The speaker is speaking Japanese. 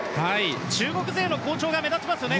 中国勢の好調が目立ちますね